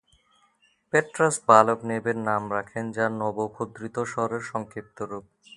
Petros বালক নেবের নাম রাখেন, যা নবূখদ্নিৎসরের সংক্ষিপ্ত রূপ।